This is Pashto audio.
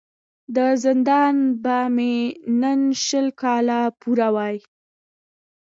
د زندان به مي نن شل کاله پوره وای